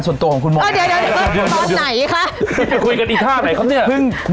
สวัสดีครับ